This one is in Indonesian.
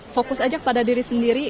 fokus aja pada diri sendiri